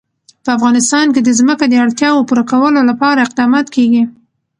په افغانستان کې د ځمکه د اړتیاوو پوره کولو لپاره اقدامات کېږي.